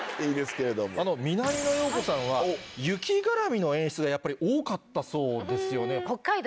南野陽子さんは雪絡みの演出がやっぱり多かったそうですよね。